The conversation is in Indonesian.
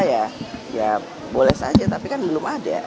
ya ya boleh saja tapi kan belum ada